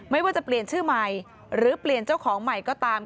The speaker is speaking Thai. ไม่ว่าจะเปลี่ยนชื่อใหม่หรือเปลี่ยนเจ้าของใหม่ก็ตาม